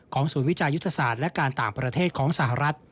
ศูนย์วิจัยยุทธศาสตร์และการต่างประเทศของสหรัฐ